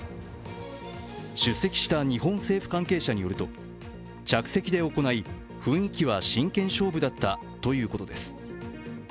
出席した日本政府関係者によると、着席で行い、雰囲気は真剣勝負だったということです。